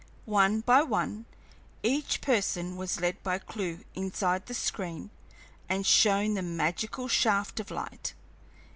One by one, each person was led by Clewe inside the screen and shown the magical shaft of light.